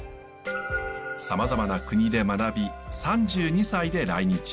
さまざまな国で学び３２歳で来日。